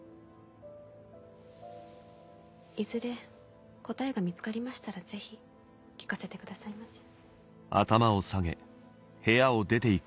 いずれ答えが見つかりましたらぜひ聞かせてくださいませ。